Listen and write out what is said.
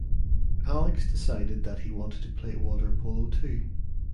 Alex decided that he wanted to play water polo too.